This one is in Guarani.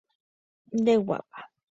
Ndeguápa.